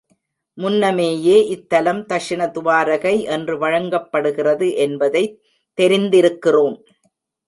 முன்னமேயே இத்தலம் தக்ஷிண துவாரகை என்று வழங்கப்படுகிறது என்பதைத் தெரிந்திருக்கிறோம்.